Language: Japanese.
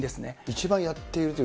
一番やっていると。